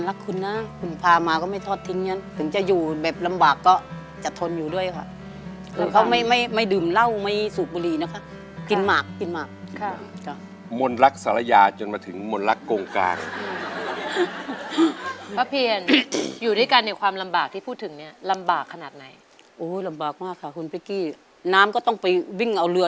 แล้วป้าเอาเรือแจวนี่หรือไปลอยกันอยู่กลางทะเลหรือ